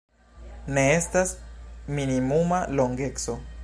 Ne estas minimuma longeco.